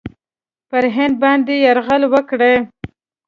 پر هند باندي یرغل وکړي.